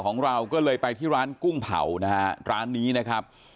ของเราก็เลยไปที่ร้านกุ้งเผานะฮะร้านนี้นะครับ